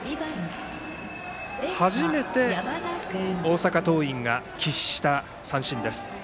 初めて大阪桐蔭が喫した三振です。